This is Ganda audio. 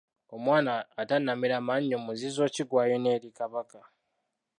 Omwana atannamera mannyo muzizo ki gw’alina eri Kabaka?